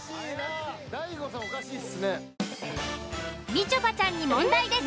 みちょぱちゃんに問題です。